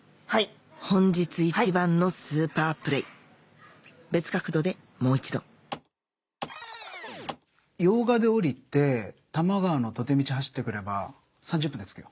本日一番のスーパープレー別角度でもう一度用賀で降りて多摩川の土手道走って来れば３０分で着くよ。